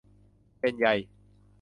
เป็นไย